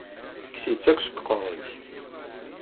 Kkes-itt akk seg uqeṛṛu-yik!